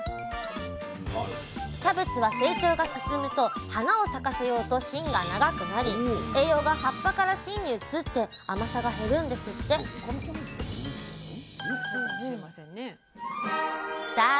キャベツは成長が進むと花を咲かせようと芯が長くなり栄養が葉っぱから芯に移って甘さが減るんですってさあ